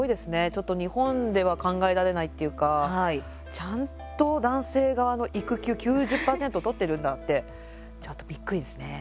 ちょっと日本では考えられないっていうかちゃんと男性側の育休９０％取ってるんだってちょっとびっくりですね。